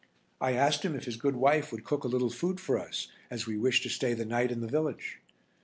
I asked him if his good wife would cook a little food for us, as we wished to stay the night in the village.